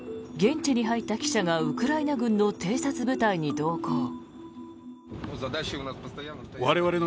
現地に入った記者がウクライナ軍の偵察部隊に同行。